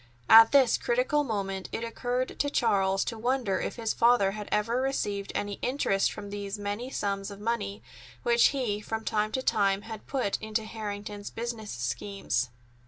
At this critical moment it occurred to Charles to wonder if his father had ever received any interest from these many sums of money which he from time to time had put into Harrington's business schemes.